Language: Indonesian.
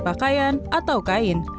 seperti pakaian atau kain